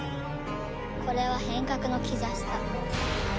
これは変革の兆しさ。